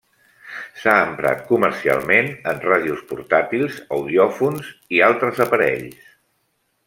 S'ha emprat comercialment en ràdios portàtils, audiòfons i altres aparells.